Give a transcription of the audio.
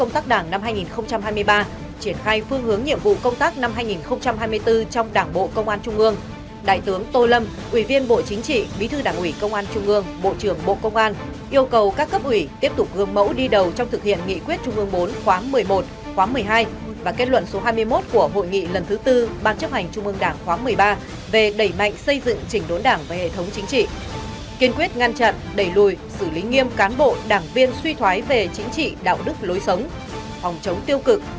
tại phương hướng nhiệm vụ công tác năm hai nghìn hai mươi bốn trong đảng bộ công an trung ương đại tướng tô lâm ủy viên bộ chính trị bí thư đảng ủy công an trung ương bộ trưởng bộ công an yêu cầu các cấp ủy tiếp tục gương mẫu đi đầu trong thực hiện nghị quyết trung ương bốn khóa một mươi một khóa một mươi hai và kết luận số hai mươi một của hội nghị lần thứ bốn ban chấp hành trung ương đảng khóa một mươi ba về đẩy mạnh xây dựng chỉnh đốn đảng về hệ thống chính trị kiên quyết ngăn chặn đẩy lùi xử lý nghiêm cán bộ đảng viên suy thoái về chính trị đạo đức lối